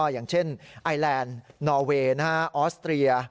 อย่างเช่นไอแลนด์นอเวย์ออสเตรีย